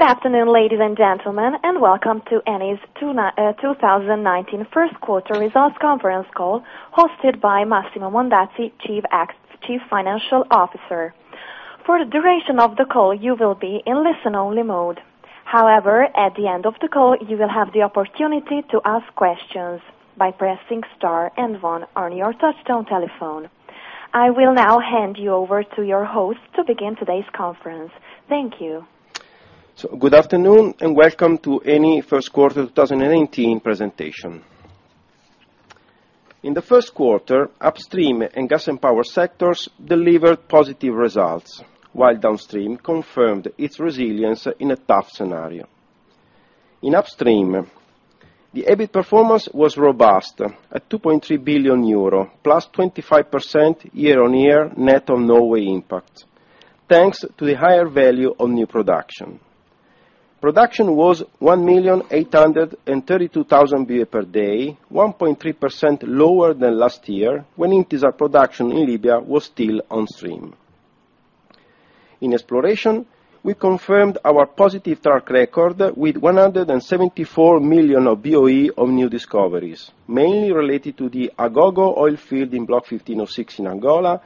Good afternoon, ladies and gentlemen, welcome to Eni's 2019 first quarter results conference call hosted by Massimo Mondazzi, Chief Financial Officer. For the duration of the call, you will be in listen-only mode. At the end of the call, you will have the opportunity to ask questions by pressing star and one on your touchtone telephone. I will now hand you over to your host to begin today's conference. Good afternoon, and welcome to Eni first quarter 2019 presentation. In the first quarter, upstream and gas and power sectors delivered positive results. While downstream confirmed its resilience in a tough scenario. In upstream, the EBIT performance was robust at 2.3 billion euro, plus 25% year-on-year net of Norway impact, thanks to the higher value on new production. Production was 1,832,000 BOE per day, 1.3% lower than last year when Intisar production in Libya was still on stream. In exploration, we confirmed our positive track record with 174 million BOE of new discoveries, mainly related to the Agogo oil field in Block 15/06 in Angola,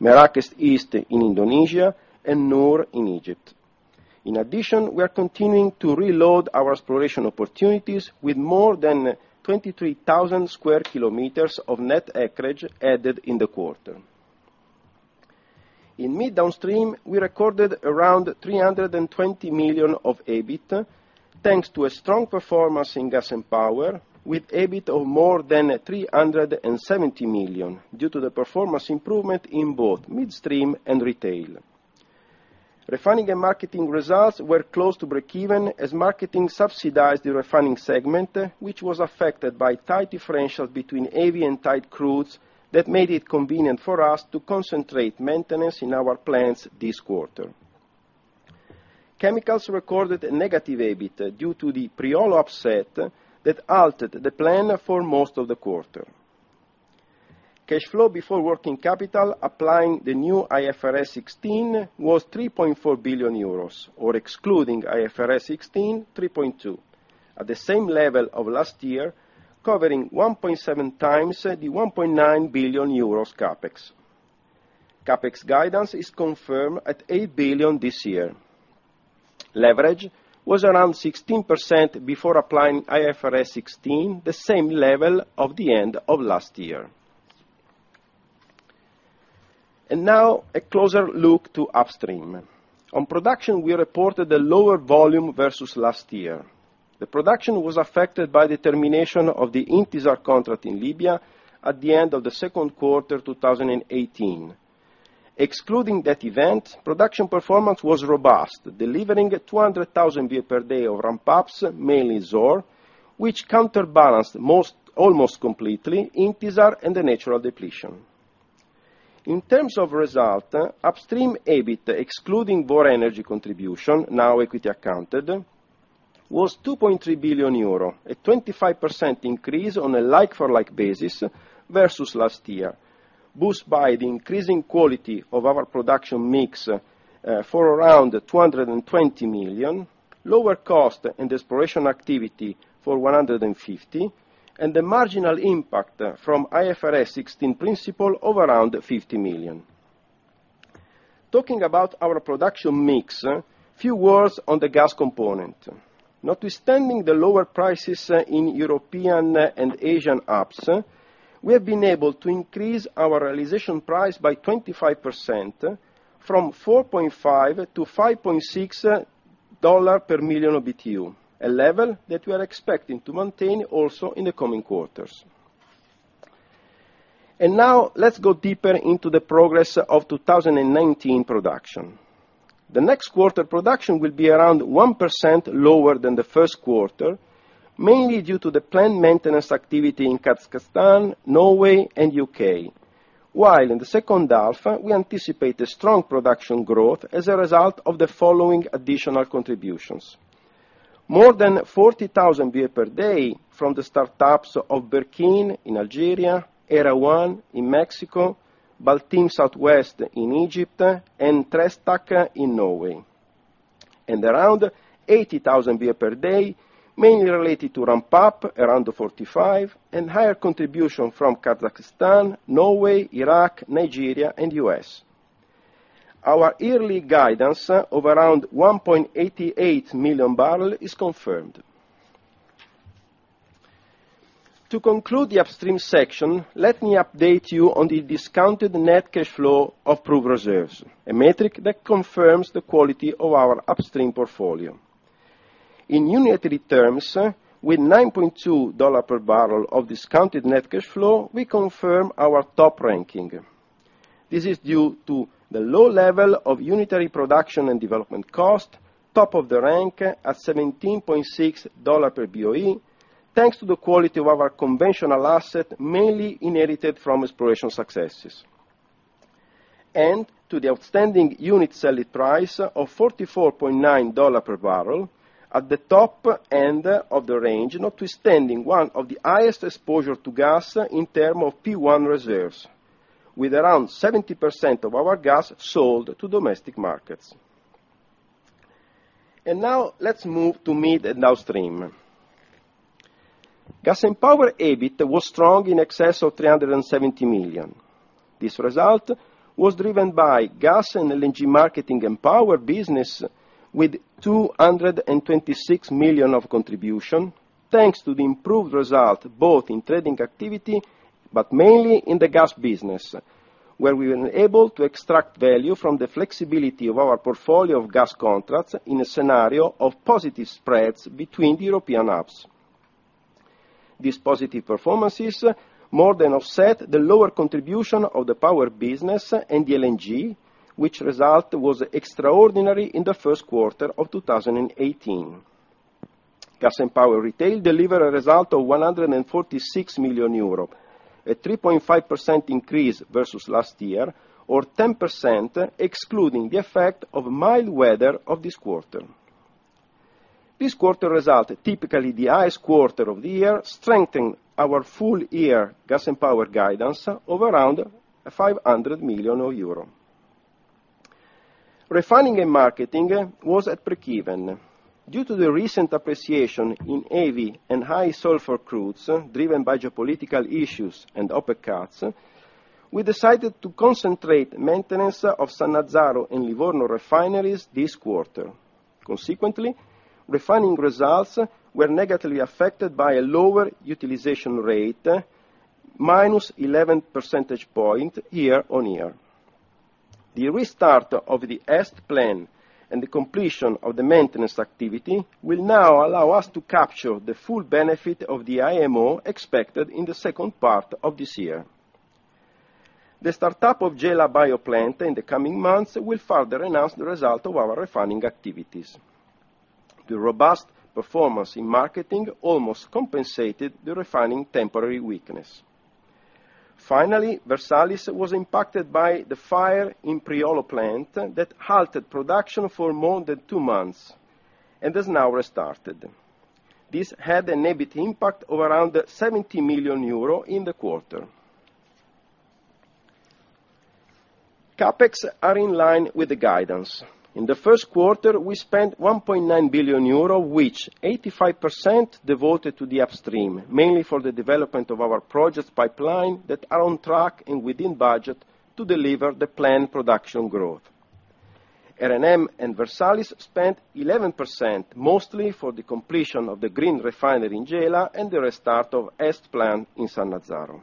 Merakes East in Indonesia, and Nour in Egypt. In addition, we are continuing to reload our exploration opportunities with more than 23,000 sq km of net acreage added in the quarter. In midstream, we recorded around 320 million of EBIT, thanks to a strong performance in gas and power with EBIT of more than 370 million due to the performance improvement in both midstream and retail. Refining and marketing results were close to breakeven as marketing subsidized the refining segment, which was affected by tight differentials between heavy and tight crudes that made it convenient for us to concentrate maintenance in our plants this quarter. Chemicals recorded a negative EBIT due to the Priolo upset that altered the plan for most of the quarter. Cash flow before working capital applying the new IFRS 16 was 3.4 billion euros, or excluding IFRS 16, 3.2 billion, at the same level of last year, covering 1.7 times the 1.9 billion euros CapEx. CapEx guidance is confirmed at 8 billion this year. Leverage was around 16% before applying IFRS 16, the same level of the end of last year. Now a closer look to upstream. On production, we reported a lower volume versus last year. The production was affected by the termination of the Intisar contract in Libya at the end of the second quarter 2018. Excluding that event, production performance was robust, delivering 200,000 BOE per day of ramp-ups, mainly Zohr, which counterbalanced almost completely Intisar and the natural depletion. In terms of result, upstream EBIT excluding Vår Energi contribution, now equity accounted, was 2.3 billion euro, a 25% increase on a like-for-like basis versus last year, boosted by the increasing quality of our production mix for around 220 million, lower cost and exploration activity for 150 million, and the marginal impact from IFRS 16 principle of around 50 million. Talking about our production mix, few words on the gas component. Notwithstanding the lower prices in European and Asian hubs, we have been able to increase our realization price by 25% from $4.5 to $5.6 per million BTU, a level that we are expecting to maintain also in the coming quarters. Now let's go deeper into the progress of 2019 production. The next quarter production will be around 1% lower than the first quarter, mainly due to the planned maintenance activity in Kazakhstan, Norway, and U.K. In the second half, we anticipate a strong production growth as a result of the following additional contributions. More than 40,000 BOE per day from the startups of Berkine in Algeria, Area 1 in Mexico, Baltim Southwest in Egypt, and Trestakk in Norway. Around 80,000 BOE per day, mainly related to ramp up around the 45 and higher contribution from Kazakhstan, Norway, Iraq, Nigeria, and U.S. Our yearly guidance of around 1.88 million barrels is confirmed. To conclude the upstream section, let me update you on the discounted net cash flow of proved reserves, a metric that confirms the quality of our upstream portfolio. In unitary terms, with $9.2 per barrel of discounted net cash flow, we confirm our top ranking. This is due to the low level of unitary production and development cost, top of the rank at $17.6 per BOE, thanks to the quality of our conventional asset mainly inherited from exploration successes. To the outstanding unit selling price of $44.9 per barrel at the top end of the range, notwithstanding one of the highest exposure to gas in terms of P1 reserves. With around 70% of our gas sold to domestic markets. Now let's move to mid and downstream. Gas and power EBIT was strong, in excess of 370 million. This result was driven by gas and LNG marketing and power business, with 226 million of contribution, thanks to the improved result both in trading activity, but mainly in the gas business, where we were able to extract value from the flexibility of our portfolio of gas contracts in a scenario of positive spreads between the European hubs. These positive performances more than offset the lower contribution of the power business and the LNG, which result was extraordinary in the first quarter of 2018. Gas and power retail delivered a result of 146 million euro, a 3.5% increase versus last year, or 10% excluding the effect of mild weather of this quarter. This quarter result, typically the highest quarter of the year, strengthened our full-year gas and power guidance of around 500 million euro. Refining and marketing was at break even. Due to the recent appreciation in heavy and high sulfur crudes, driven by geopolitical issues and OPEC cuts, we decided to concentrate maintenance of Sannazzaro and Livorno refineries this quarter. Consequently, refining results were negatively affected by a lower utilization rate, -11 percentage point year-on-year. The restart of the EST plan and the completion of the maintenance activity will now allow us to capture the full benefit of the IMO expected in the second part of this year. The startup of Gela bioplant in the coming months will further enhance the result of our refining activities. The robust performance in marketing almost compensated the refining temporary weakness. Finally, Versalis was impacted by the fire in Priolo plant that halted production for more than two months, and has now restarted. This had an EBIT impact of around 70 million euro in the quarter. CapEx are in line with the guidance. In the first quarter, we spent 1.9 billion euro, which 85% devoted to the upstream, mainly for the development of our projects pipeline that are on track and within budget to deliver the planned production growth. R&M and Versalis spent 11%, mostly for the completion of the green refinery in Gela and the restart of EST plant in Sannazzaro.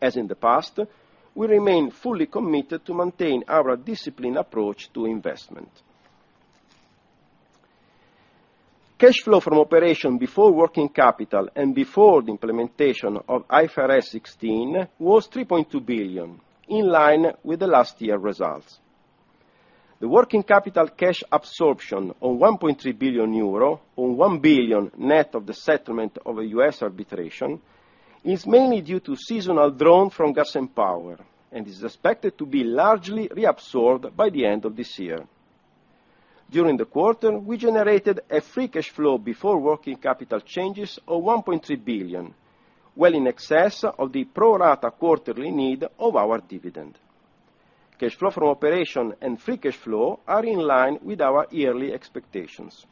As in the past, we remain fully committed to maintain our disciplined approach to investment. Cash flow from operation before working capital and before the implementation of IFRS 16 was 3.2 billion, in line with the last year results. The working capital cash absorption of 1.3 billion euro, or 1 billion net of the settlement of a U.S. arbitration, is mainly due to seasonal draw from gas and power, and is expected to be largely reabsorbed by the end of this year. During the quarter, we generated a free cash flow before working capital changes of 1.3 billion, well in excess of the pro rata quarterly need of our dividend. Cash flow from operation and free cash flow are in line with our yearly expectations.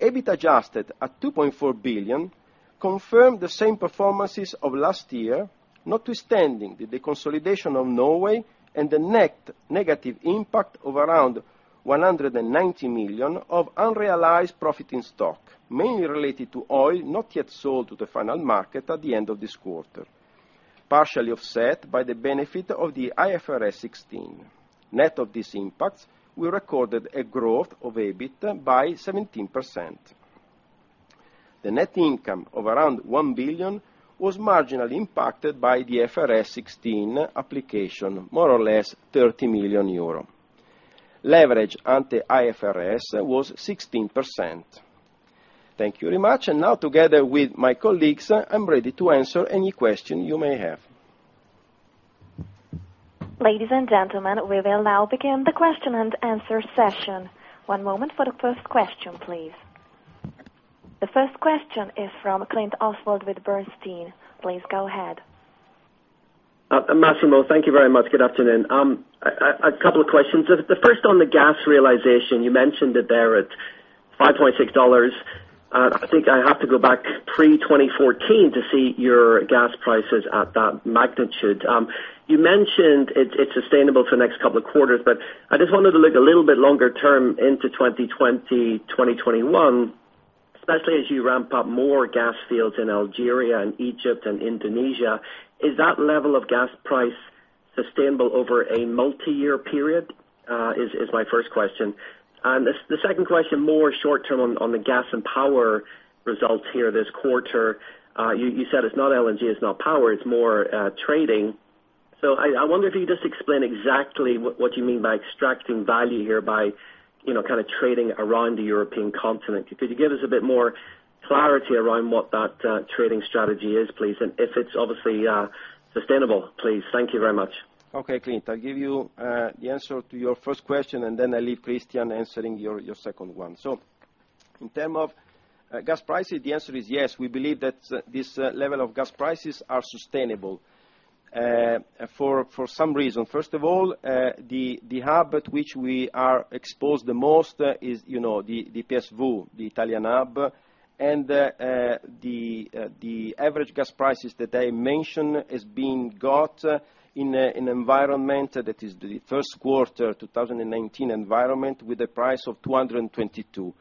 EBIT adjusted at 2.4 billion confirmed the same performances of last year, notwithstanding the deconsolidation of Norway and the net negative impact of around 190 million of unrealized profit in stock, mainly related to oil not yet sold to the final market at the end of this quarter, partially offset by the benefit of the IFRS 16. Net of these impacts, we recorded a growth of EBIT by 17%. The net income of around 1 billion was marginally impacted by the IFRS 16 application, more or less 30 million euro. Leverage ante IFRS was 16%. Thank you very much. Now, together with my colleagues, I'm ready to answer any question you may have. Ladies and gentlemen, we will now begin the question and answer session. One moment for the first question, please. The first question is from Oswald Clint with Bernstein. Please go ahead. Massimo, thank you very much. Good afternoon. A couple of questions. The first on the gas realization, you mentioned that they're at $5.6. I think I have to go back pre-2014 to see your gas prices at that magnitude. You mentioned it's sustainable for the next couple of quarters, but I just wanted to look a little bit longer term into 2020, 2021, especially as you ramp up more gas fields in Algeria and Egypt and Indonesia. Is that level of gas price sustainable over a multiyear period? Is my first question. The second question, more short term on the gas and power results here this quarter. You said it's not LNG, it's not power, it's more trading. I wonder if you could just explain exactly what you mean by extracting value here by kind of trading around the European continent. Could you give us a bit more clarity around what that trading strategy is, please? If it's obviously sustainable, please. Thank you very much. Clint, I'll give you the answer to your first question. Then I'll leave Cristian answering your second one. In term of gas prices, the answer is yes, we believe that this level of gas prices are sustainable for some reason. First of all, the hub at which we are exposed the most is the PSV, the Italian hub. The average gas prices that I mentioned is being got in an environment that is the first quarter 2019 environment with a price of 222.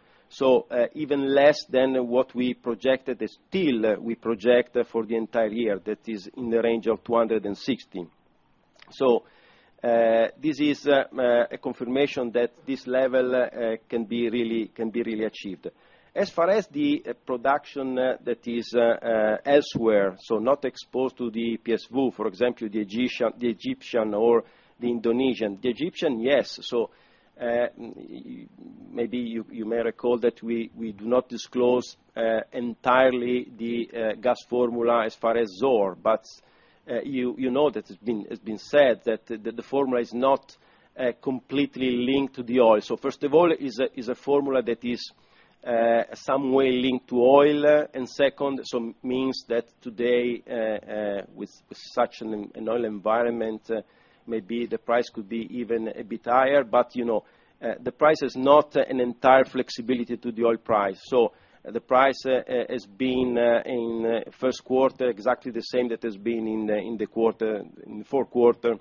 Even less than what we projected. Still, we project for the entire year, that is in the range of 216. This is a confirmation that this level can be really achieved. As far as the production that is elsewhere, not exposed to the PSV, for example, the Egyptian or the Indonesian. The Egyptian, yes. Maybe you may recall that we do not disclose entirely the gas formula as far as Zohr, you know that it has been said that the formula is not completely linked to the oil. First of all, it is a formula that is some way linked to oil. Second, means that today, with such an oil environment, maybe the price could be even a bit higher. The price is not an entire flexibility to the oil price. The price has been, in first quarter, exactly the same that has been in the fourth quarter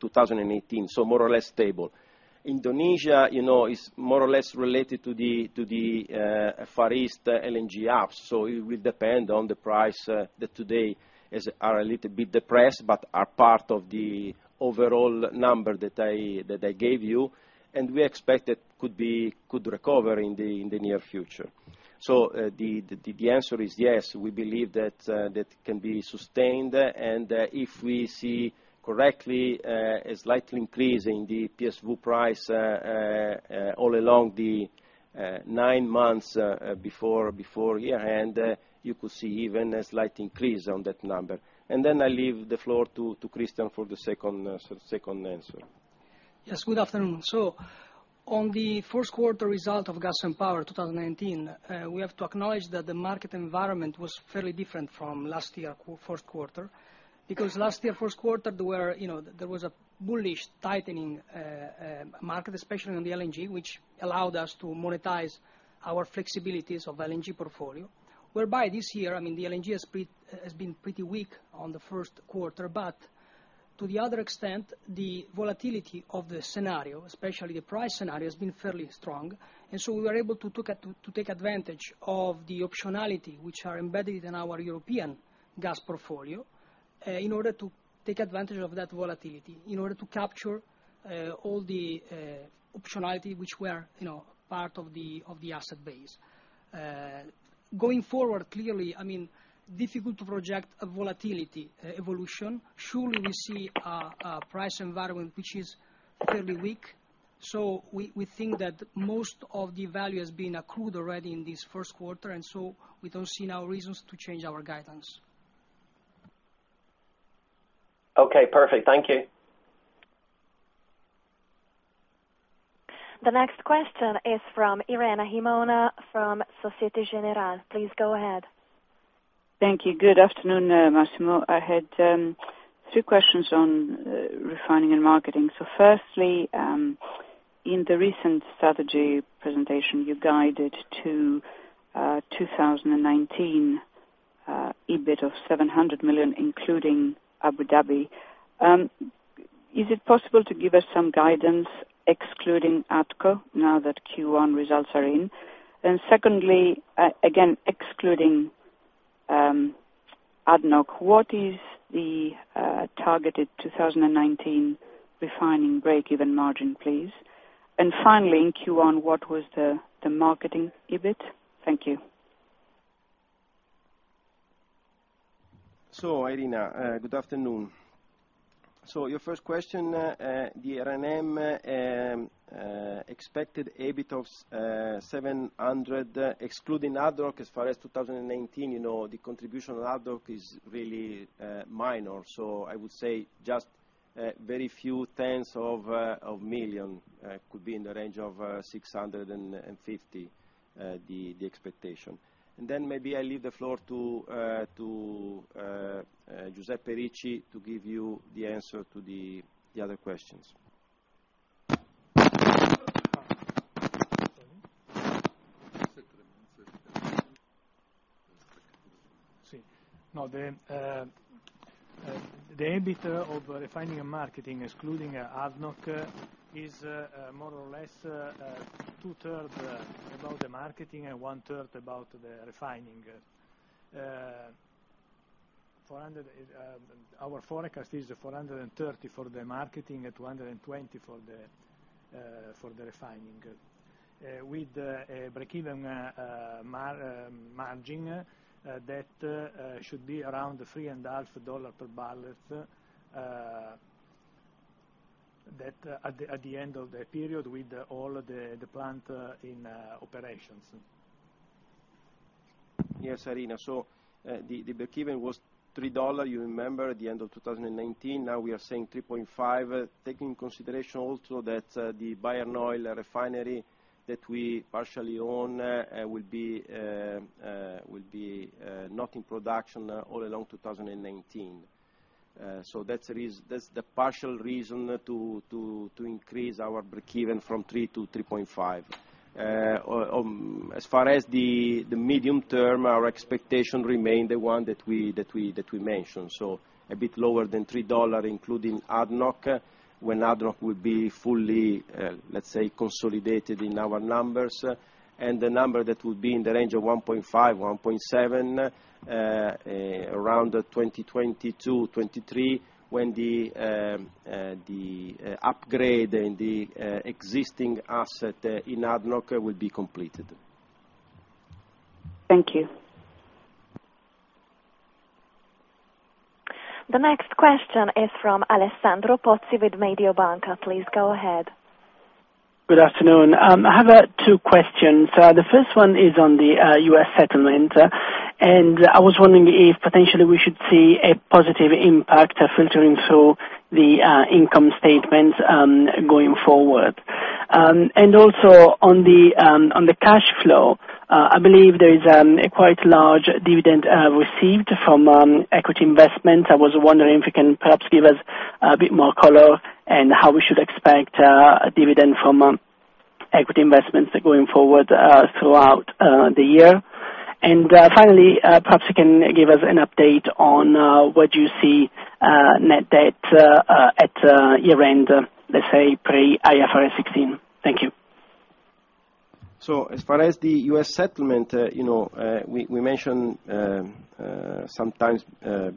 2018, more or less stable. Indonesia is more or less related to the Far East LNG hubs. It will depend on the price that today is a little bit depressed but are part of the overall number that I gave you, and we expect that could recover in the near future. The answer is yes, we believe that can be sustained, and if we see correctly, a slight increase in the PSV price all along the nine months before year end, you could see even a slight increase on that number. I leave the floor to Cristian for the second answer. Yes, good afternoon. On the first quarter result of gas and power 2019, we have to acknowledge that the market environment was fairly different from last year first quarter, because last year first quarter, there was a bullish tightening market, especially on the LNG, which allowed us to monetize our flexibilities of LNG portfolio, whereby this year, the LNG has been pretty weak on the first quarter. To the other extent, the volatility of the scenario, especially the price scenario, has been fairly strong. We were able to take advantage of the optionality which are embedded in our European gas portfolio, in order to take advantage of that volatility, in order to capture all the optionality which were part of the asset base. Going forward, clearly, difficult to project a volatility evolution. Surely, we see a price environment which is fairly weak. We think that most of the value has been accrued already in this first quarter. We don't see now reasons to change our guidance. Okay, perfect. Thank you. The next question is from Irene Himona from Société Générale. Please go ahead. Thank you. Good afternoon, Massimo. I had two questions on refining and marketing. Firstly, in the recent strategy presentation, you guided to 2019 EBIT of 700 million, including Abu Dhabi. Is it possible to give us some guidance excluding ADCO, now that Q1 results are in? Secondly, again, excluding ADNOC, what is the targeted 2019 refining break-even margin, please? Finally, in Q1, what was the marketing EBIT? Thank you. Irene, good afternoon. Your first question, the R&M expected EBIT of 700, excluding ADNOC, as far as 2019, the contribution of ADNOC is really minor. I would say just very few tens of million, could be in the range of 650, the expectation. Maybe I leave the floor to Giuseppe Ricci to give you the answer to the other questions. The EBIT of refining and marketing, excluding ADNOC, is more or less two-third about the marketing and one-third about the refining. Our forecast is 430 for the marketing and 220 for the refining. With a break-even margin that should be around EUR 3.5 per barrel at the end of the period, with all the plant in operations. Yes, Irene The breakeven was EUR 3, you remember at the end of 2019. Now we are saying 3.5, take in consideration also that the Bayernoil refinery that we partially own will be not in production all along 2019. That's the partial reason to increase our breakeven from three to 3.5. As far as the medium term, our expectation remain the one that we mentioned. A bit lower than EUR 3, including ADNOC, when ADNOC will be fully, let's say, consolidated in our numbers. The number that will be in the range of 1.5, 1.7, around 2022, 2023, when the upgrade and the existing asset in ADNOC will be completed. Thank you. The next question is from Alessandro Pozzi with Mediobanca. Please go ahead. Good afternoon. I have two questions. The first one is on the U.S. settlement. I was wondering if potentially we should see a positive impact filtering through the income statement, going forward. Also, on the cash flow, I believe there is a quite large dividend received from equity investment. I was wondering if you can perhaps give us a bit more color and how we should expect a dividend from equity investments going forward throughout the year. Finally, perhaps you can give us an update on what you see net debt at year-end, let's say pre IFRS 16. Thank you. As far as the U.S. settlement, we mentioned sometimes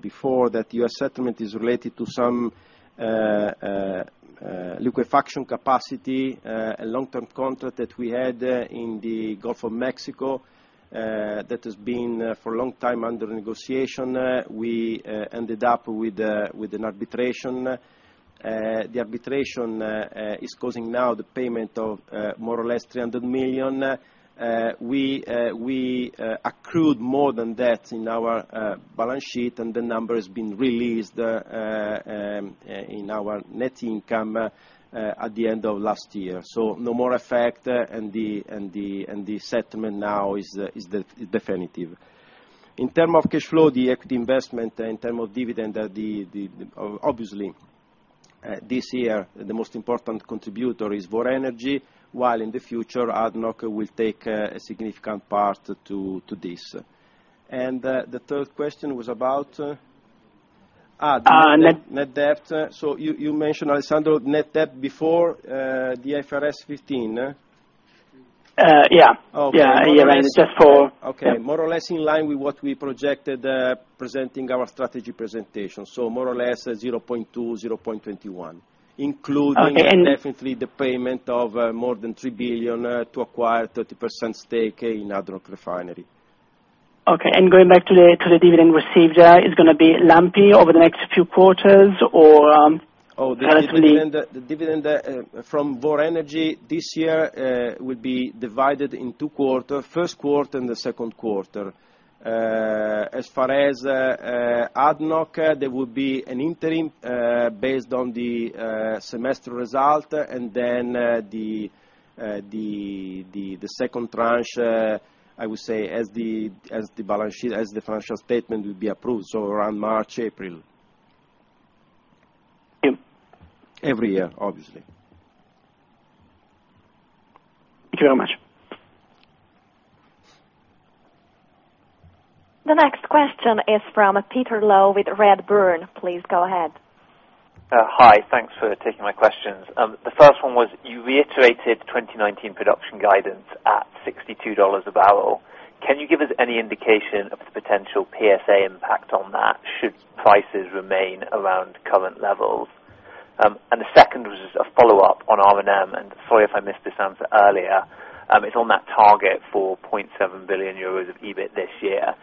before that U.S. settlement is related to some liquefaction capacity, a long-term contract that we had in the Gulf of Mexico, that has been for a long time under negotiation. We ended up with an arbitration. The arbitration is causing now the payment of more or less 300 million. We accrued more than that in our balance sheet, and the number has been released in our net income at the end of last year. No more effect, and the settlement now is definitive. In terms of cash flow, the equity investment, in terms of dividend, obviously this year, the most important contributor is Vår Energi, while in the future, ADNOC will take a significant part to this. The third question was about? Net- Net debt. You mentioned, Alessandro, net debt before the IFRS 16? Yeah. Okay. Year end, just for- Okay. More or less in line with what we projected presenting our strategy presentation. More or less 0.2, 0.21, including- Okay. definitely the payment of more than 3 billion to acquire 30% stake in ADNOC refinery. Okay. Going back to the dividend received, it's going to be lumpy over the next few quarters? The dividend from Vår Energi this year will be divided in two quarter, first quarter and the second quarter. As far as ADNOC, there will be an interim based on the semester result, the second tranche, I would say as the financial statement will be approved, so around March, April. Thank you. Every year, obviously. Thank you very much. The next question is from Peter Low with Redburn. Please go ahead. Hi. Thanks for taking my questions. The first one was, you reiterated 2019 production guidance at $62 a barrel. Can you give us any indication of the potential PSA impact on that, should prices remain around current levels? The second was just a follow-up on R&M, and sorry if I missed this answer earlier. It is on that target for 0.7 billion euros of EBIT this year.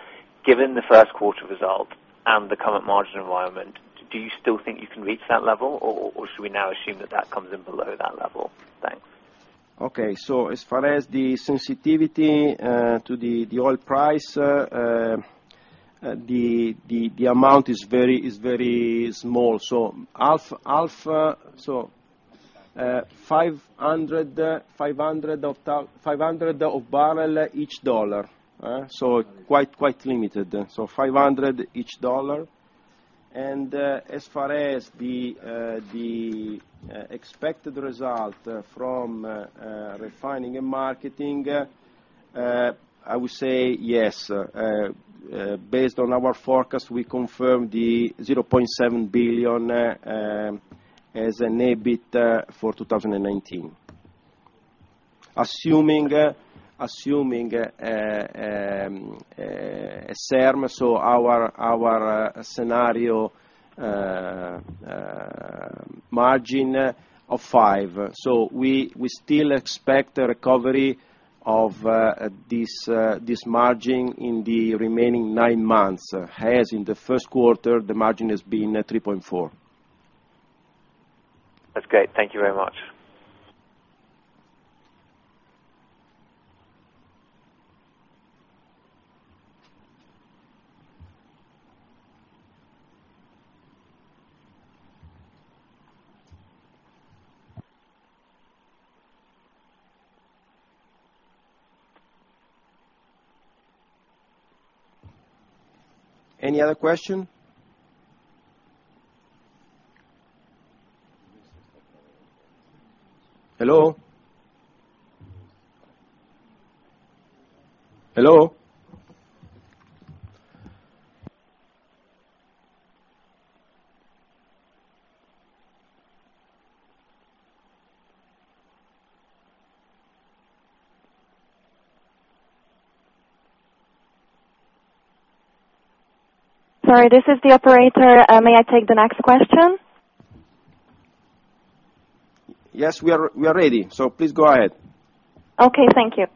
Given the first quarter result and the current margin environment, do you still think you can reach that level, or should we now assume that that comes in below that level? Thanks. Okay. As far as the sensitivity to the oil price, the amount is very small. 500 of barrel, each dollar. Quite limited. 500 each dollar. As far as the expected result from refining and marketing, I would say yes. Based on our forecast, we confirm the 0.7 billion as an EBIT for 2019. Assuming SERM, our scenario margin of five. We still expect a recovery of this margin in the remaining nine months, as in the first quarter, the margin has been 3.4. That is great. Thank you very much. Any other question? Hello? Hello? Sorry, this is the operator. May I take the next question? Yes, we are ready. please go ahead. Thank you.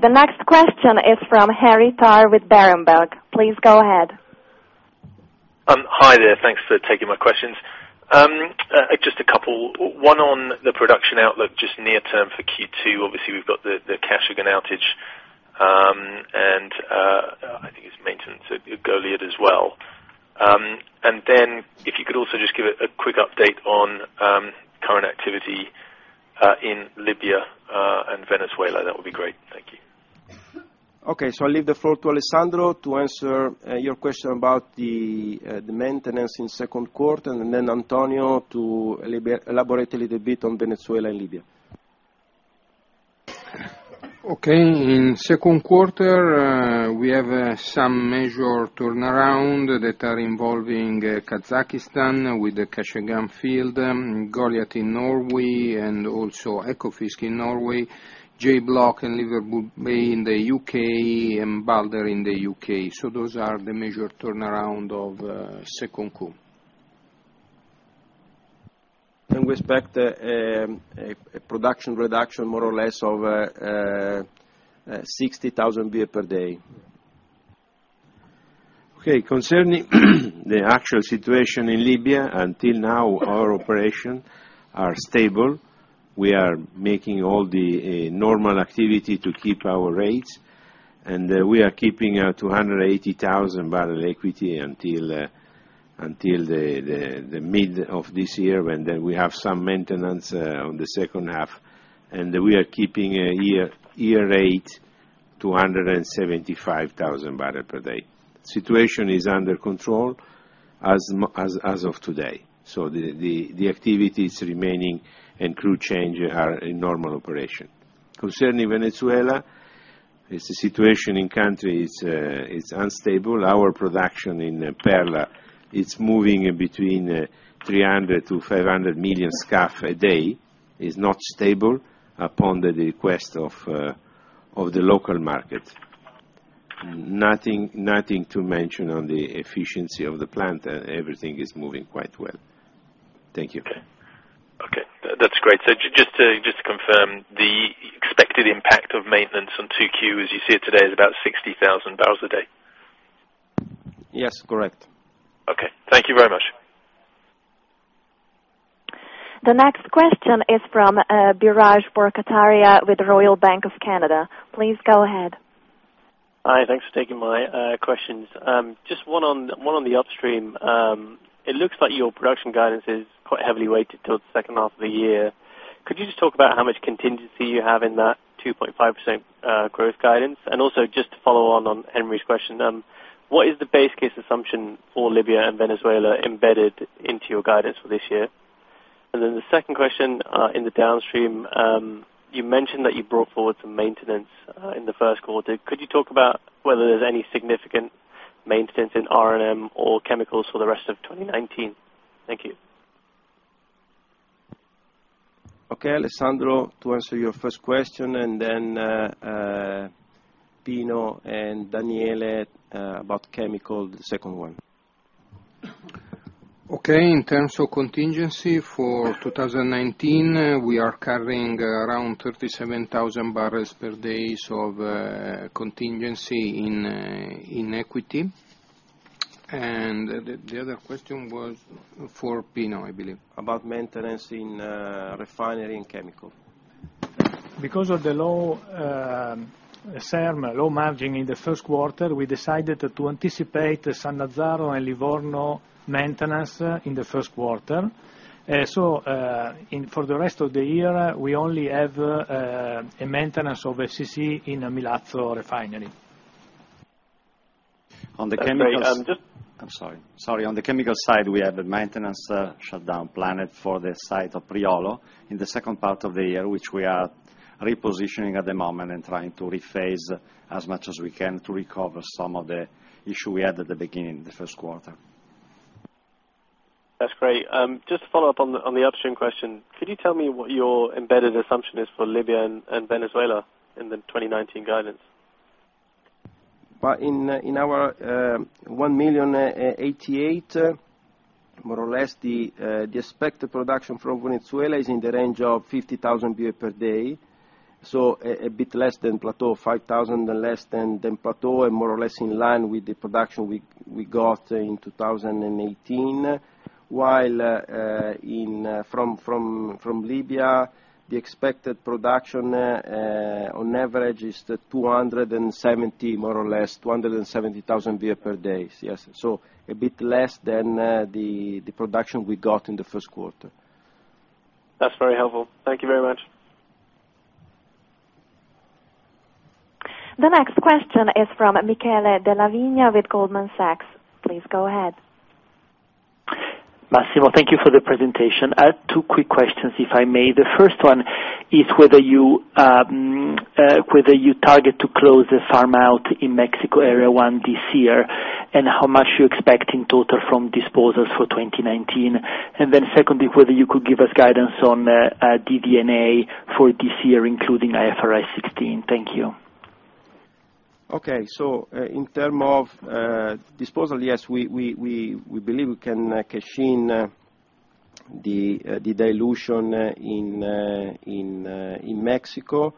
The next question is from Henry Tarr with Berenberg. Please go ahead. Hi there. Thanks for taking my questions. Just a couple, one on the production outlook, just near term for Q2. Obviously, we've got the Kashagan outage, and I think it's maintenance at Goliat as well. If you could also just give a quick update on current activity, in Libya, and Venezuela, that would be great. Thank you. I'll leave the floor to Alessandro to answer your question about the maintenance in second quarter and then Antonio to elaborate a little bit on Venezuela and Libya. Okay. In second quarter, we have some major turnaround that are involving Kazakhstan with the Kashagan field, Goliat in Norway, and also Ekofisk in Norway, Liverpool Bay in the U.K., and Balder in the U.K. Those are the major turnaround of second quarter. We expect a production reduction more or less of 60,000 barrels per day. Okay. Concerning the actual situation in Libya, until now our operation are stable. We are making all the normal activity to keep our rates, and we are keeping 280,000 barrels equity until the mid of this year, when we have some maintenance on the second half. We are keeping a year rate 275,000 barrels per day. Situation is under control as of today. The activity is remaining, and crew change are in normal operation. Concerning Venezuela, the situation in country is unstable. Our production in Perla, it's moving between 300 to 500 million scf a day. It's not stable upon the request of the local market. Nothing to mention on the efficiency of the plant. Everything is moving quite well. Thank you. Okay. That's great. Just to confirm, the expected impact of maintenance on 2Q, as you see it today, is about 60,000 barrels a day? Yes, correct. Okay. Thank you very much. The next question is from Biraj Borkhataria with Royal Bank of Canada. Please go ahead. Hi, thanks for taking my questions. Just one on the upstream. It looks like your production guidance is quite heavily weighted towards the second half of the year. Could you just talk about how much contingency you have in that 2.5% growth guidance? Also, just to follow on on Henry's question, what is the base case assumption for Libya and Venezuela embedded into your guidance for this year? Then the second question, in the downstream, you mentioned that you brought forward some maintenance in the first quarter. Could you talk about whether there's any significant maintenance in R&M or chemicals for the rest of 2019? Thank you. Okay, Alessandro, to answer your first question, then Pino and Daniele about chemical, the second one. Okay. In terms of contingency for 2019, we are carrying around 37,000 barrels per day of contingency in equity. The other question was for Pino, I believe. About maintenance in refinery and chemical. Because of the low margin in the first quarter, we decided to anticipate Sannazzaro and Livorno maintenance in the first quarter. For the rest of the year, we only have a maintenance of FCC in Milazzo refinery. On the chemical- That's great. I'm sorry. Sorry. On the chemical side, we have a maintenance shutdown planned for the site of Priolo in the second part of the year, which we are repositioning at the moment and trying to rephase as much as we can to recover some of the issue we had at the beginning, the first quarter. That's great. Just to follow up on the upstream question, could you tell me what your embedded assumption is for Libya and Venezuela in the 2019 guidance? In our 1,000,088, more or less, the expected production from Venezuela is in the range of 50,000 barrel per day. A bit less than plateau, 5,000 less than plateau, and more or less in line with the production we got in 2018. From Libya, the expected production on average is more or less 270,000 BOE per day. A bit less than the production we got in the first quarter. That's very helpful. Thank you very much. The next question is from Michele Della Vigna with Goldman Sachs. Please go ahead. Massimo, thank you for the presentation. I have two quick questions, if I may. The first one is whether you target to close the farm out in Mexico Area 1 this year, and how much you expect in total from disposals for 2019? Secondly, whether you could give us guidance on DD&A for this year, including IFRS 16. Thank you. In terms of disposal, yes, we believe we can cash in the dilution in Mexico.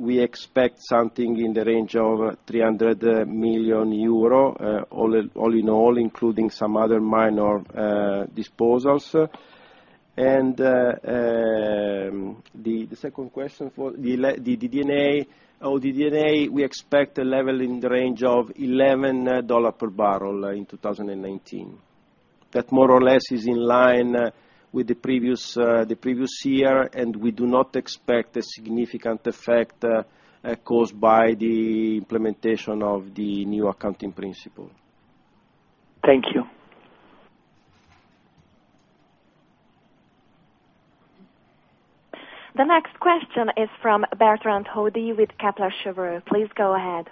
We expect something in the range of 300 million euro, all in all, including some other minor disposals. The second question, for the DD&A, we expect a level in the range of $11 per barrel in 2019. That more or less is in line with the previous year, we do not expect a significant effect caused by the implementation of the new accounting principle. Thank you. The next question is from Bertrand Hodée with Kepler Cheuvreux. Please go ahead.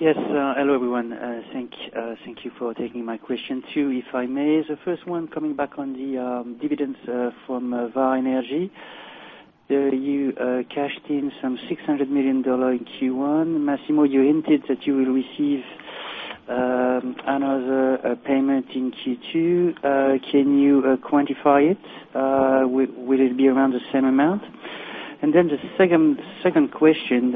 Yes, hello, everyone. Thank you for taking my question, too, if I may. The first one, coming back on the dividends from Vår Energi. You cashed in some EUR 600 million in Q1. Massimo, you hinted that you will receive another payment in Q2. Can you quantify it? Will it be around the same amount? The second question,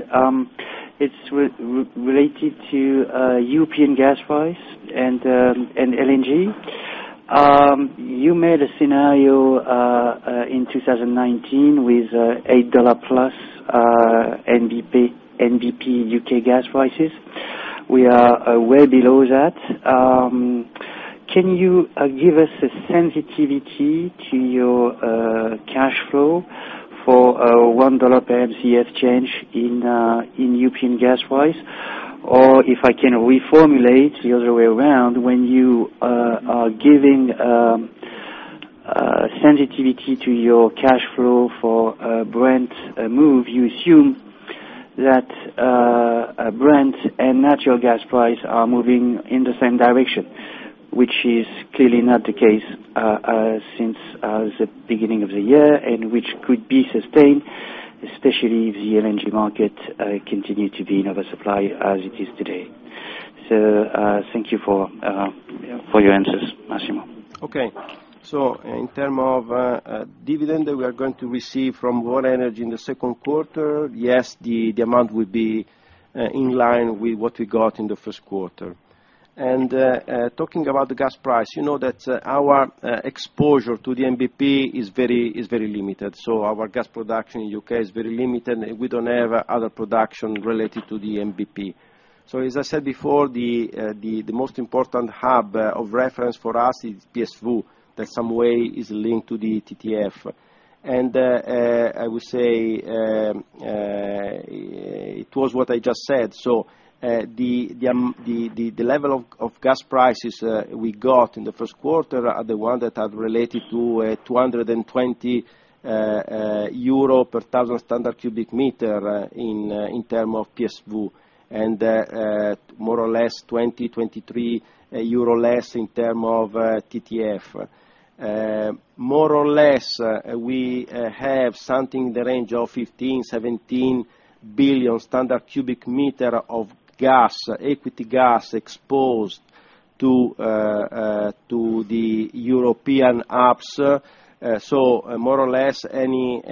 it is related to European gas price and LNG. You made a scenario, in 2019 with EUR 8 plus NBP U.K. gas prices. We are way below that. Can you give us a sensitivity to your cash flow for a EUR 1 per MCF change in European gas price? If I can reformulate the other way around, when you are giving sensitivity to your cash flow for a Brent move, you assume that Brent and natural gas price are moving in the same direction, which is clearly not the case since the beginning of the year, and which could be sustained, especially if the LNG market continue to be in oversupply as it is today. Thank you for your answers, Massimo. In term of dividend that we are going to receive from Vår Energi in the second quarter, yes, the amount will be in line with what we got in the first quarter. Talking about the gas price, you know that our exposure to the NBP is very limited. Our gas production in U.K. is very limited, and we don't have other production related to the NBP. As I said before, the most important hub of reference for us is PSV, that some way is linked to the TTF. I would say, it was what I just said. The level of gas prices we got in the first quarter are the one that are related to 220 euro per thousand standard cubic meter, in term of PSV, and more or less 20 euro, 23 euro less in term of TTF. More or less, we have something in the range of 15 billion-17 billion standard cubic meter of equity gas exposed to the European hubs. More or less, any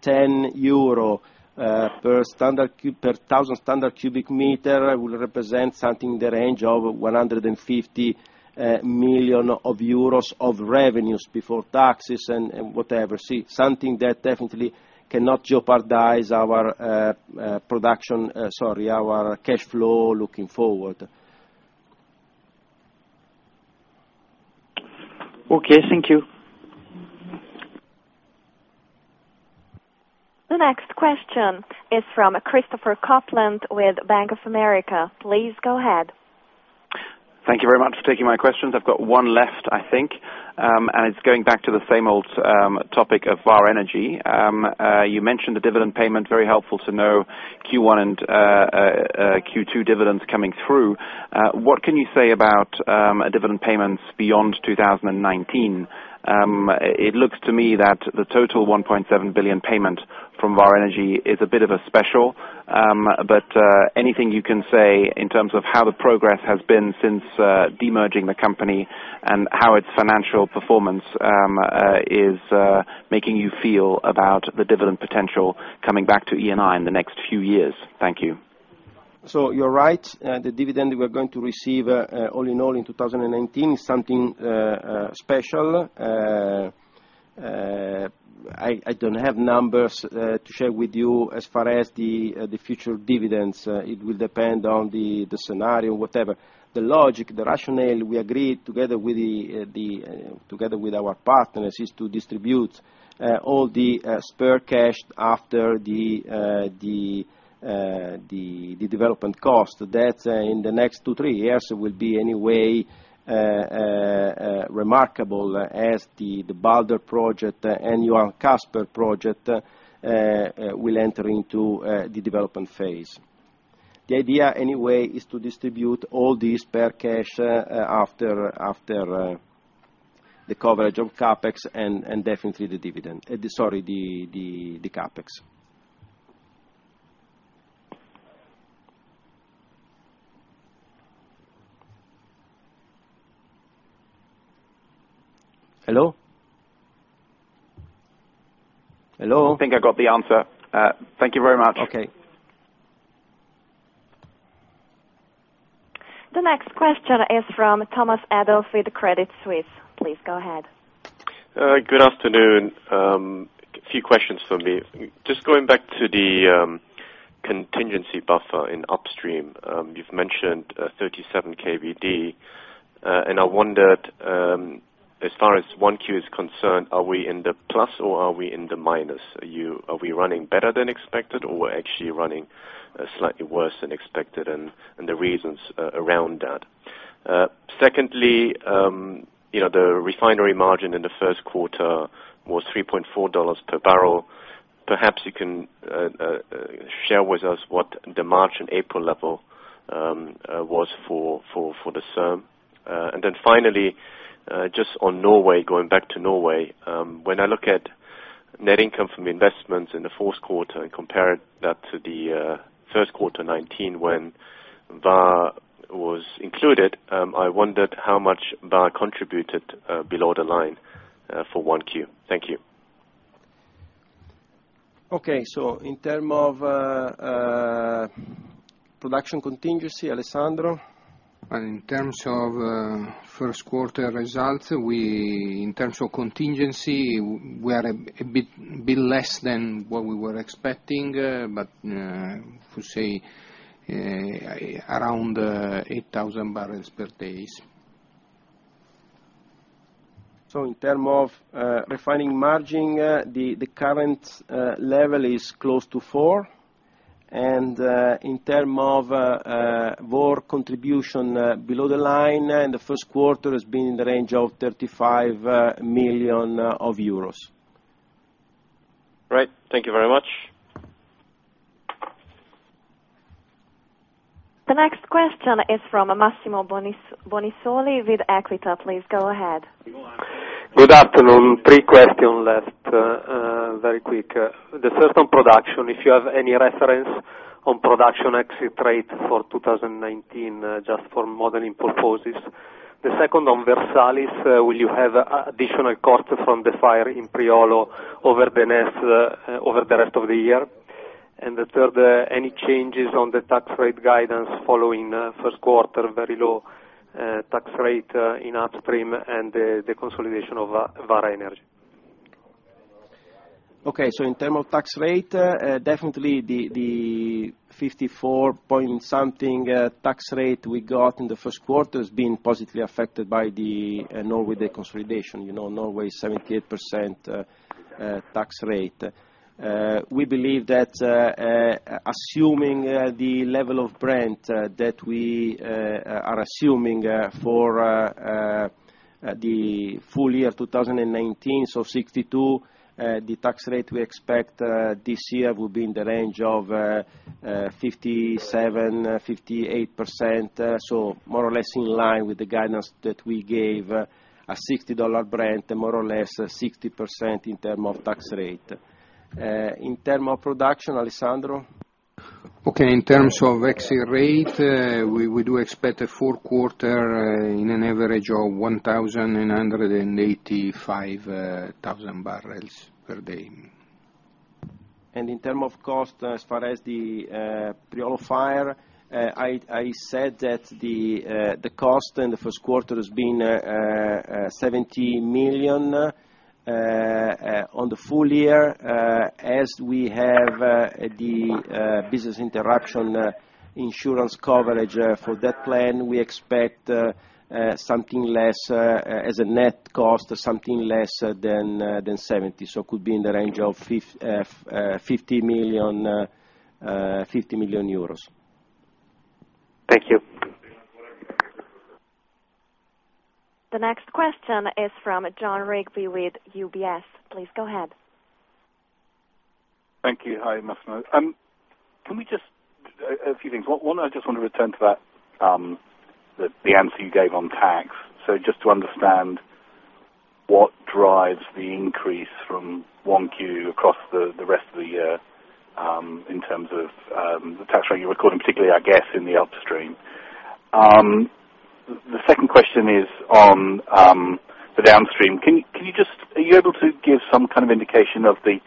10 euro per thousand standard cubic meter will represent something in the range of 150 million euros of revenues before taxes and whatever. Something that definitely cannot jeopardize our cash flow looking forward. Okay. Thank you. The next question is from Christopher Copeland with Bank of America. Please go ahead. Thank you very much for taking my questions. I've got one left, I think. It's going back to the same old topic of Vår Energi. You mentioned the dividend payment, very helpful to know Q1 and Q2 dividends coming through. What can you say about dividend payments beyond 2019? It looks to me that the total 1.7 billion payment From Vår Energi is a bit of a special. Anything you can say in terms of how the progress has been since demerging the company, and how its financial performance is making you feel about the dividend potential coming back to Eni in the next few years? Thank you. You're right. The dividend we're going to receive, all in all in 2019, is something special. I don't have numbers to share with you as far as the future dividends. It will depend on the scenario, whatever. The logic, the rationale, we agreed together with our partners, is to distribute all the spare cash after the development cost. That, in the next two, three years, will be anyway remarkable as the Balder project and our Catcher project will enter into the development phase. The idea, anyway, is to distribute all the spare cash after the coverage of CapEx and definitely the dividend. Sorry, the CapEx. Hello? Hello? I think I got the answer. Thank you very much. Okay. The next question is from Thomas Adolff with Credit Suisse. Please go ahead. Good afternoon. A few questions from me. Just going back to the contingency buffer in upstream. You've mentioned 37 KBD, and I wondered, as far as 1Q is concerned, are we in the plus or are we in the minus? Are we running better than expected or we're actually running slightly worse than expected, and the reasons around that. Secondly, the refinery margin in the first quarter was $3.4 per barrel. Perhaps you can share with us what the March and April level was for the SUM. Finally, just on Norway, going back to Norway. When I look at net income from investments in the fourth quarter and compare that to the first quarter 2019, when Var was included, I wondered how much Var contributed below the line for 1Q. Thank you. Okay. In terms of production contingency, Alessandro? In terms of first quarter results, in terms of contingency, we are a bit less than what we were expecting, to say around 8,000 barrels per day. In terms of refining margin, the current level is close to four, in terms of Var contribution below the line, the first quarter has been in the range of 35 million euros. Right. Thank you very much. The next question is from Massimo Bonisoli with Equita. Please go ahead. Good afternoon. Three question left, very quick. The first on production, if you have any reference on production exit rate for 2019, just for modeling purposes. The second on Versalis, will you have additional costs from the fire in Priolo over the rest of the year? The third, any changes on the tax rate guidance following first quarter, very low tax rate in upstream and the consolidation of Vår Energi? Okay. In term of tax rate, definitely the 54 point something tax rate we got in the first quarter has been positively affected by the Norway consolidation, Norway's 78% tax rate. We believe that, assuming the level of Brent that we are assuming for the full year 2019, $62, the tax rate we expect this year will be in the range of 57%-58%, more or less in line with the guidance that we gave, a $60 Brent, more or less 60% in term of tax rate. In term of production, Alessandro? Okay, in terms of exit rate, we do expect a fourth quarter in an average of 1,985 thousand barrels per day. In terms of cost, as far as the Priolo fire, I said that the cost in the first quarter has been 70 million EUR on the full year. As we have the business interruption insurance coverage for that plant, we expect as a net cost, something less than 70 million EUR. Could be in the range of 50 million euros. Thank you. The next question is from Jon Rigby with UBS. Please go ahead. Thank you. Hi, Massimo. A few things. One, I just want to return to the answer you gave on tax. Just to understand what drives the increase from 1Q across the rest of the year in terms of the tax rate you were quoting, particularly, I guess, in the upstream. The second question is on the downstream. Are you able to give some kind of indication of the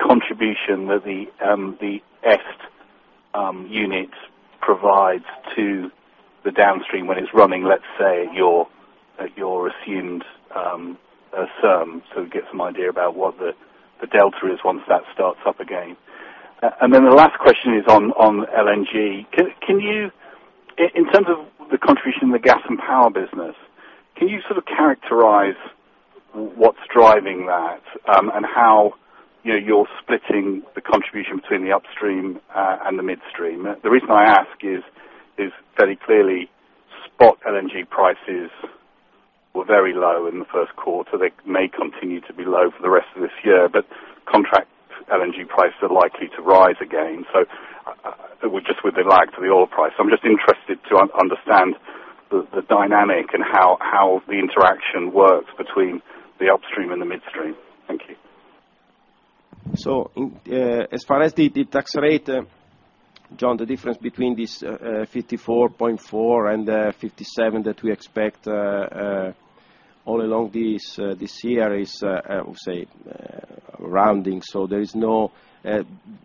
contribution that the EST unit provides to the downstream when it's running, let's say, at your assumed, get some idea about what the delta is once that starts up again. The last question is on LNG. In terms of the contribution, the gas and power business, can you characterize what's driving that and how you're splitting the contribution between the upstream and the midstream? The reason I ask is very clearly spot LNG prices were very low in the first quarter, they may continue to be low for the rest of this year, but contract LNG prices are likely to rise again. Just with the lag to the oil price. I'm just interested to understand the dynamic and how the interaction works between the upstream and the midstream. Thank you. As far as the tax rate, Jon, the difference between this 54.4 and the 57 that we expect all along this year is, I would say, rounding.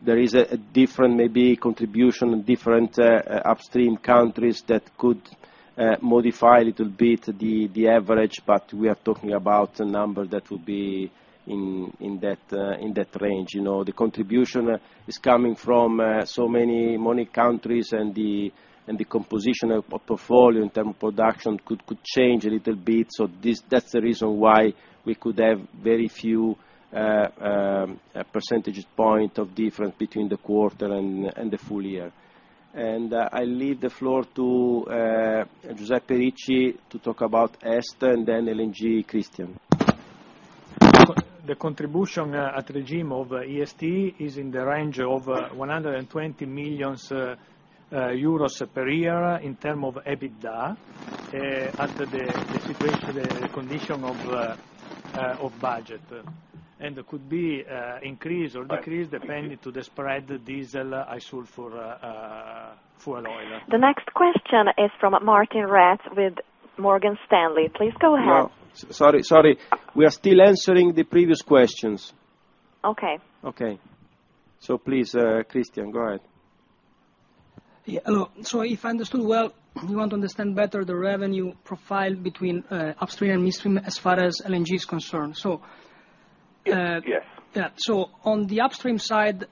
There is a different, maybe contribution, different upstream countries that could modify a little bit the average, but we are talking about a number that will be in that range. The contribution is coming from so many countries and the composition of portfolio in term of production could change a little bit. That's the reason why we could have very few percentage point of difference between the quarter and the full year. I leave the floor to Giuseppe Ricci to talk about EST and then LNG, Cristian. The contribution at regime of EST is in the range of 120 million euros per year in term of EBITDA, after the situation, the condition of budget. Could be increased or decreased depending to the spread diesel gasoil fuel oil. The next question is from Martijn Rats with Morgan Stanley. Please go ahead. No, sorry. We are still answering the previous questions. Okay. Okay. Please, Cristian, go ahead. Yeah. Hello. If I understood well, you want to understand better the revenue profile between upstream and midstream as far as LNG is concerned. Yes. Yeah. On the upstream side,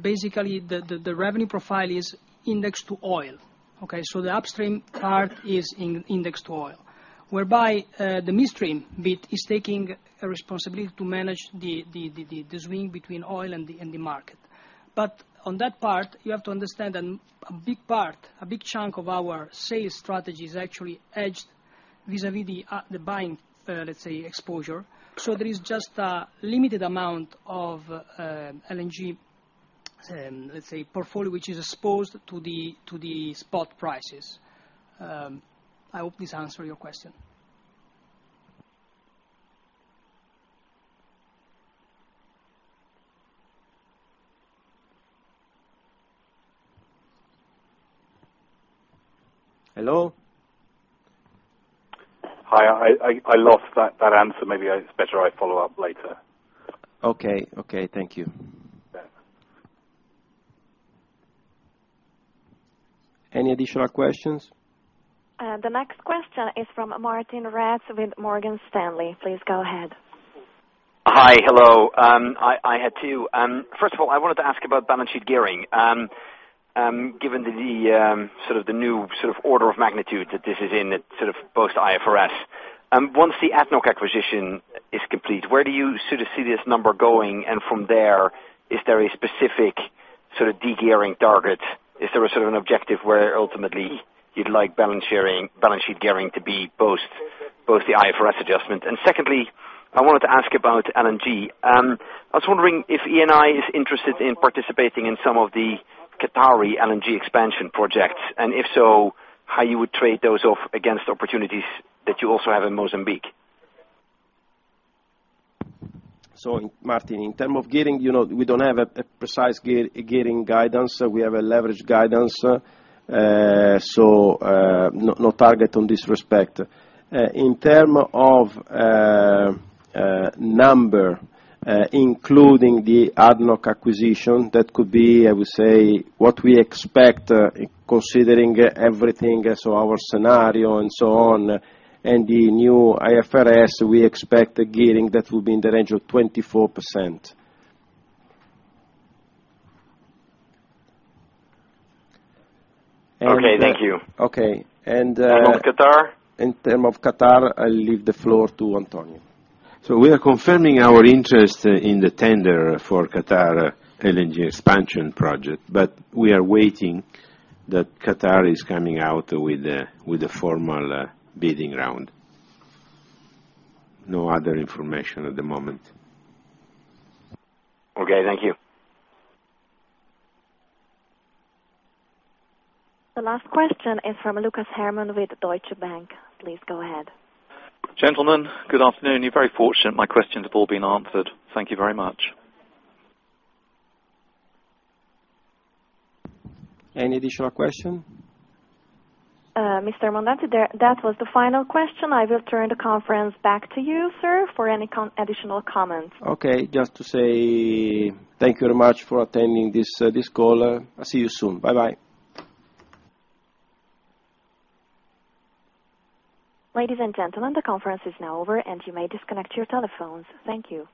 basically the revenue profile is indexed to oil. Okay? The upstream part is indexed to oil, whereby, the midstream bit is taking a responsibility to manage the swing between oil and the market. On that part, you have to understand a big part, a big chunk of our sales strategy is actually hedged vis-a-vis the buying, let's say, exposure. There is just a limited amount of LNG, let's say, portfolio, which is exposed to the spot prices. I hope this answer your question. Hello? Hi, I lost that answer. Maybe it's better I follow up later. Okay. Thank you. Yeah. Any additional questions? The next question is from Martijn Rats with Morgan Stanley. Please go ahead. Hi. Hello, I had two. First of all, I wanted to ask about balance sheet gearing. Given the new sort of order of magnitude that this is in post IFRS. Once the ADNOC acquisition is complete, where do you see this number going? From there, is there a specific sort of de-gearing target? Is there a sort of an objective where ultimately you'd like balance sheet gearing to be both the IFRS adjustment? Secondly, I wanted to ask about LNG. I was wondering if Eni is interested in participating in some of the Qatari LNG expansion projects, and if so, how you would trade those off against opportunities that you also have in Mozambique? Martijn, in term of gearing, we don't have a precise gearing guidance, we have a leverage guidance. No target on this respect. In term of number, including the ADNOC acquisition, that could be, I would say, what we expect, considering everything, so our scenario and so on, and the new IFRS, we expect a gearing that will be in the range of 24%. Okay. Thank you. Okay. On Qatar? In terms of Qatar, I'll leave the floor to Antonio. We are confirming our interest in the tender for Qatar LNG expansion project. We are waiting that Qatar is coming out with a formal bidding round. No other information at the moment. Okay, thank you. The last question is from Lucas Herrmann with Deutsche Bank. Please go ahead. Gentlemen, good afternoon. You are very fortunate, my questions have all been answered. Thank you very much. Any additional question? Mr. Mondazzi, that was the final question. I will turn the conference back to you, sir, for any additional comments. Okay. Just to say thank you very much for attending this call. I'll see you soon. Bye-bye. Ladies and gentlemen, the conference is now over and you may disconnect your telephones. Thank you.